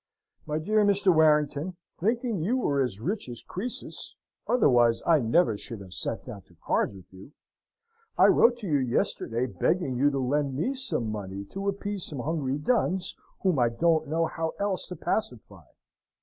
My dear Mr. Warrington, thinking you were as rich as Croesus otherwise I never should have sate down to cards with you I wrote to you yesterday, begging you to lend me some money to appease some hungry duns whom I don't know how else to pacify.